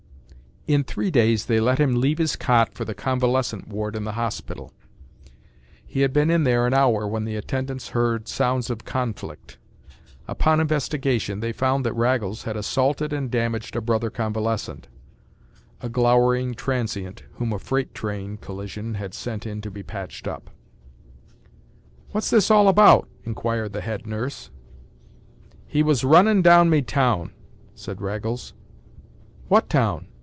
In three days they let him leave his cot for the convalescent ward in the hospital. He had been in there an hour when the attendants heard sounds of conflict. Upon investigation they found that Raggles had assaulted and damaged a brother convalescent—a glowering transient whom a freight train collision had sent in to be patched up. “What’s all this about?” inquired the head nurse. “He was runnin’ down me town,” said Raggles. “What town?